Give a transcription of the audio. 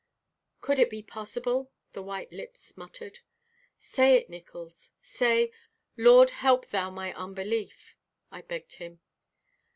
"Could it be possible?" the white lips muttered. "Say it, Nickols; say, 'Lord, help thou my unbelief,'" I begged him.